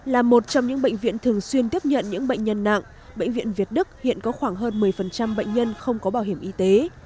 là một trong những bệnh viện thường xuyên tiếp nhận những bệnh nhân nặng bệnh viện việt đức hiện có khoảng hơn một mươi bệnh nhân không có bảo hiểm y tế